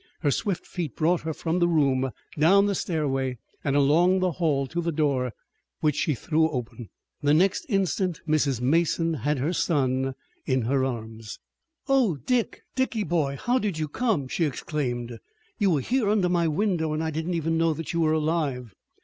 Her swift feet brought her from the room, down the stairway, and along the hall to the door, which she threw open. The next instant Mrs. Mason had her son in her arms. "Oh, Dick, Dicky, boy, how did you come!" she exclaimed. "You were here under my window, and I did not even know that you were alive!"